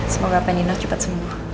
semoga apa nino cepat sembuh